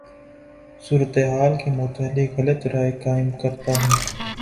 صورتحال کے متعلق غلط رائے قائم کرتا ہوں